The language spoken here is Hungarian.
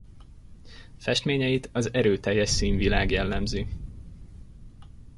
Festményeit az erőteljes színvilág jellemzi.